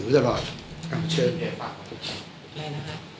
ตลอดเอามาเชิญ